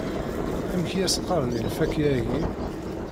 Amek i as-qqaren i lfakya -agi?